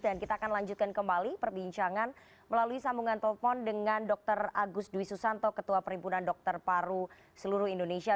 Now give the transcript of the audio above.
dan kita akan lanjutkan kembali perbincangan melalui sambungan telepon dengan dr agus dwi susanto ketua perimpunan dr paru seluruh indonesia